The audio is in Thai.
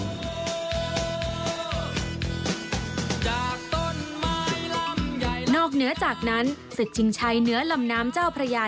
นอกเหนือจากนั้นสิจชิงชัยเหนือลำน้ำเจ้าพระยา